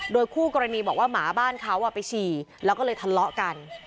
โดยคู่กรณีบอกว่าหมาบ้านเขาไปฉี่แล้วก็เลยทะเลาะกัน